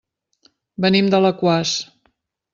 Venim d'Alaquàs.